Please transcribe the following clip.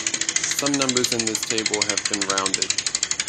Some numbers in this table have been rounded.